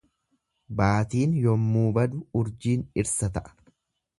Baatiin yemmuu badu urjiin dhirsa ta'a.